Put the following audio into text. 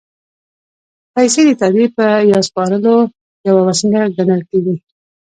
پیسې د تادیې یا سپارلو یوه وسیله ګڼل کېږي